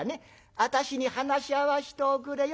私に話合わしておくれよ。